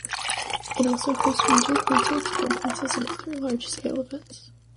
It also hosts major concerts, conferences, and other large scale events.